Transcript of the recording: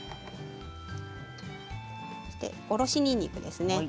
おろしにんにくですね。